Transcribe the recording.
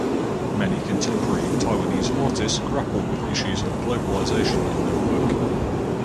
Many contemporary Taiwanese artists grapple with issues of globalization in their work.